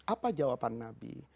apa jawaban nabi